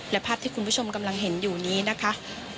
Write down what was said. และภาพที่คุณผู้ชมกำลังเห็นอยู่นี้นะคะ